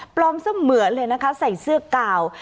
เสมือนเลยนะคะใส่เสื้อกาว